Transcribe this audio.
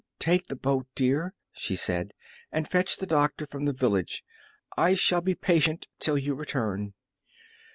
"Take the boat, dear," she said, "and fetch the doctor from the village. I shall be patient till you return."